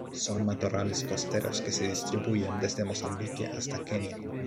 Son matorrales costeros que se distribuyen desde Mozambique hasta Kenia.